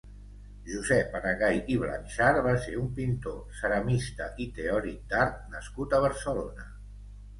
Josep Aragay i Blanchar va ser un pintor, ceramista i teòric d'art nascut a Barcelona.